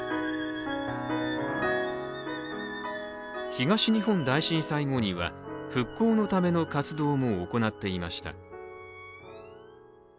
東日本大震災後には復興のための活動も行っていました。